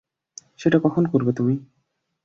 সেটা কখন করবে তুমি?